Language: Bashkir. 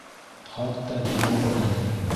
Хатта кәмер әле.